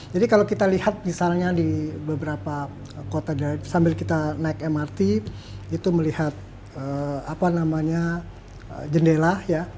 jadi kalau kita lihat misalnya di beberapa kota sambil kita naik mrt itu melihat jendela